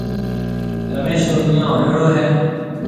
رميش رو ويهان هوئيوڙو هيَ۔